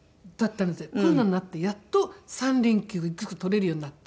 コロナになってやっと３連休結構取れるようになって。